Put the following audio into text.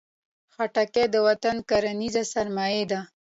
خټکی د وطن کرنیزه سرمایه ده.